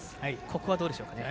ここはどうでしょうかね。